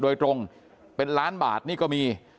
โดยตรงเป็นล้านบาทนี่ก็มี